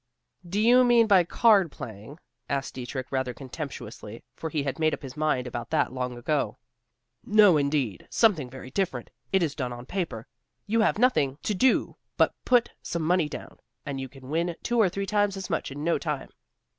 "Do you mean by card playing?" asked Dietrich rather contemptuously, for he had made up his mind about that long ago. "No indeed, something very different. It is done on paper. You have nothing to do but put some money down, and you can win two or three times as much in no time."